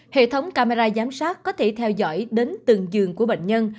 hệ thống camera giám sát có thể theo dõi đến từng giường của bệnh nhân